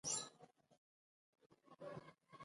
• د علیزي قوم خلک په غرونو، دښتو او ښارونو کې ژوند کوي.